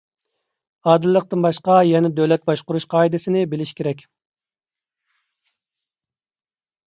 ئادىللىقتىن باشقا، يەنە دۆلەت باشقۇرۇش قائىدىسىنى بىلىش كېرەك.